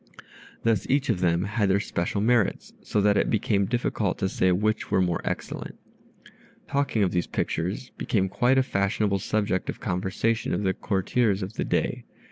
Thus each of them had their special merits, so that it became difficult to say which were more excellent. Talking of these pictures became quite a fashionable subject of conversation of the courtiers of the day.